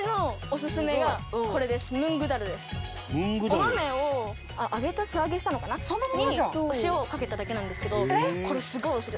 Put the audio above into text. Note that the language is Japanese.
お豆を揚げた素揚げしたのかな？にお塩をかけただけなんですけどこれすごいおいしい。